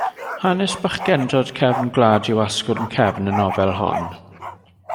Hanes bachgendod cefn gwlad yw asgwrn cefn y nofel hon.